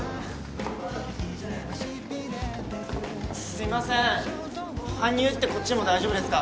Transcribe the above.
すいません搬入ってこっちでも大丈夫ですか？